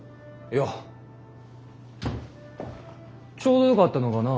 いやちょうどよかったのかな？